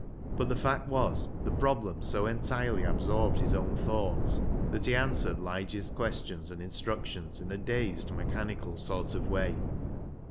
But the fact was, the problem so entirely absorbed his own thoughts, that he answered Lige's questions and instructions in a dazed mechanical sort of way.